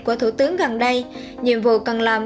của thủ tướng gần đây nhiệm vụ cần làm